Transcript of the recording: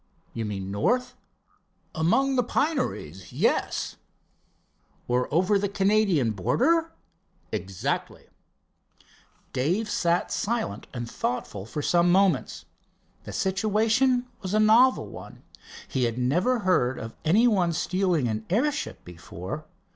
"You mean north?" "Among the pineries, yes." "Or over the Canadian border?" "Exactly." Dave sat silent and thoughtful for some moments. The situation was a novel one. He had never heard of any one stealing an airship before.